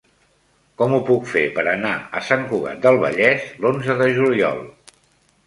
Com ho puc fer per anar a Sant Cugat del Vallès l'onze de juliol?